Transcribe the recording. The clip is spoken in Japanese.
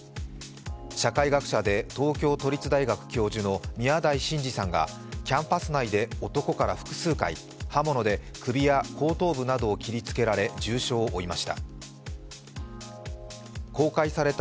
社会学者で東京都立大学教授の宮台真司さんがキャンパス内で男から複数回、刃物で首や後頭部などを切りつけられ重傷を負いました。